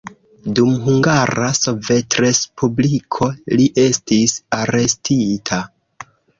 Dum Hungara Sovetrespubliko li estis arestita.